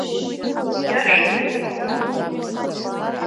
Биашазаргьы ҟалап.